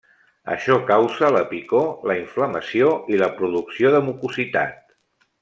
Això causa la picor la inflamació i la producció de mucositat.